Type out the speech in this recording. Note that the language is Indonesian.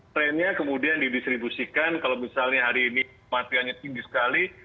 trendnya kemudian didistribusikan kalau misalnya hari ini kematiannya tinggi sekali